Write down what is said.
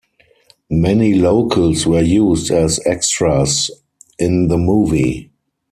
Many locals were used as extras in the movie.